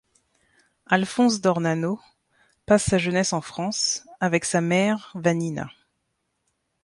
Alphonse d'Ornano passe sa jeunesse en France, avec sa mère Vannina.